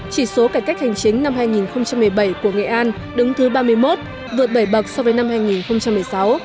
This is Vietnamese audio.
chỉ số cải cách hành chính năm hai nghìn một mươi bảy của nghệ an đứng thứ ba mươi một vượt bảy bậc so với năm hai nghìn một mươi sáu